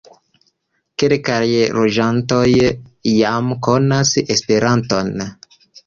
Kelkaj loĝantoj jam konas Esperanton.